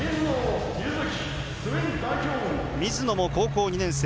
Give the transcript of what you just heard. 水野も高校２年生。